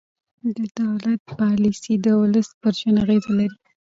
د دولت پالیسۍ د ولس پر ژوند اغېز لري